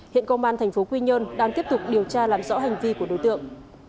hiện công an tp quy nhơn đang tiếp tục điều tra làm rõ hành vi của đối tượng